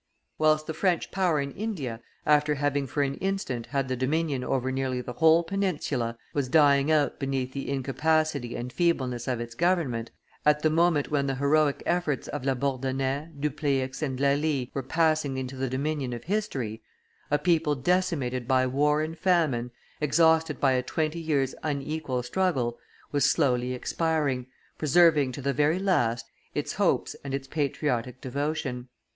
Whilst the French power in India, after having for an instant had the dominion over nearly the whole peninsula, was dying out beneath the incapacity and feebleness of its government, at the moment when the heroic efforts of La Bourdonnais, Dupleix, and Lally were passing into the domain of history, a people decimated by war and famine, exhausted by a twenty years' unequal struggle, was slowly expiring, preserving to the very last its hopes and its patriotic devotion.